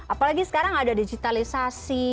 apalagi sekarang ada digitalisasi